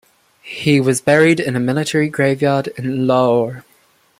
He was buried in Military Graveyard in Lahore.